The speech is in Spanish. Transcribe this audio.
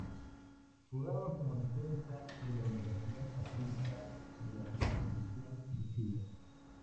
Jugaba como defensa en Universidad Católica de la Primera División de Chile.